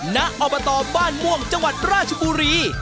ณอบตบ้านม่วงจังหวัดราชบุรี